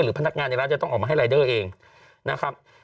พนักงานในร้านจะต้องออกมาให้รายเดอร์เองนะครับ